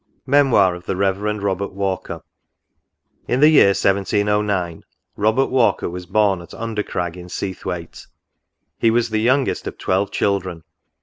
MEMOIR OF THE REV. ROBERT WALKER. In the year 1709, Robert Walker was born at Under Crag, in Seathwaite ; he was the youngest of twelve children.